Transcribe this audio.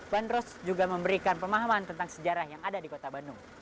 bandros juga memberikan pemahaman tentang sejarah yang ada di kota bandung